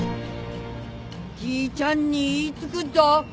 じいちゃんに言いつくっぞ。